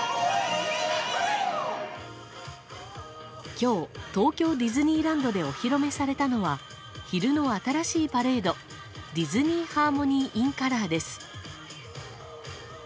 今日、東京ディズニーランドでお披露目されたのは昼の新しいパレード「ディズニー・ハーモニー・イン・カラー」です。